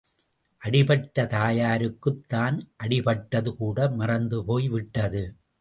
அடிபட்ட தாயாருக்குத் தான் அடிப்பட்டது கூட மறந்து போய்விட்டது.